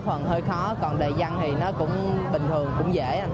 phần hơi khó còn đời dân thì nó cũng bình thường cũng dễ